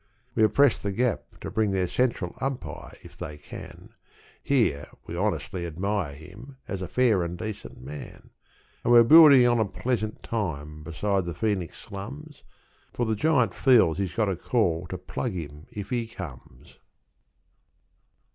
We have pressed The Gap to bring their central umpire if they can Here we honestly admire him as a fair and decent man And we're building on a pleasant time beside the Phoenix slums, For The Giant feels he's got a call to plug him if he comes.